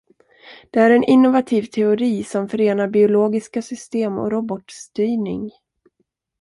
Det är en innovativ teori som förenar biologiska system och robotstyrning.